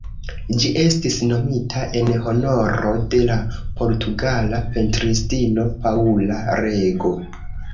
Ĝi estis nomita en honoro de la portugala pentristino Paula Rego.